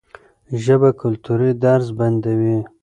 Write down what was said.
ژبه کلتوري درز بندوي.